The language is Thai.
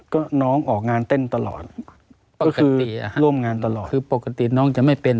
ก็น้องออกงานเต้นตลอดปกติร่วมงานตลอดคือปกติน้องจะไม่เป็น